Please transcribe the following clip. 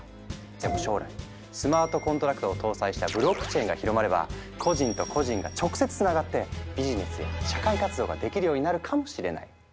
でも将来スマートコントラクトを搭載したブロックチェーンが広まれば個人と個人が直接つながってビジネスや社会活動ができるようになるかもしれない。